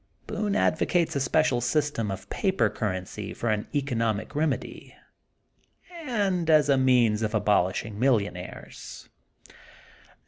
Boone advocates a special sys tem of paper currency for an economic rem edy, and as a means of abolishing millionr aires.